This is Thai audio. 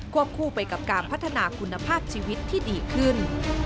คู่ไปกับการพัฒนาคุณภาพชีวิตที่ดีขึ้น